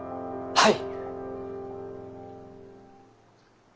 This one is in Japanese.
はい！